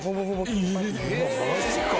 マジか！